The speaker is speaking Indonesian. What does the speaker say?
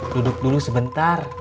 duduk dulu sebentar